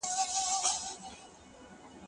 زه مخکي مکتب ته تللي وو!.